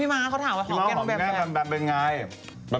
พี่มาเขาถามว่าหอมแปมแปมแปมเป็นไง